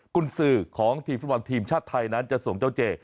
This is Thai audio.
คุณสื่อของทีมฟุตบอลทีมชาติไทยนั้นจะส่งเจ้าเจ